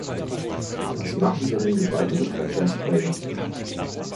Was machen wir denn mit weiteren Verkehrsträgern?